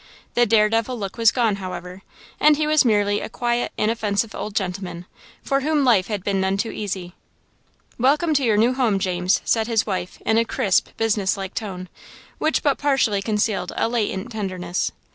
The daredevil look was gone, however, and he was merely a quiet, inoffensive old gentleman, for whom life had been none too easy. "Welcome to your new home, James," said his wife, in a crisp, businesslike tone, which but partially concealed a latent tenderness.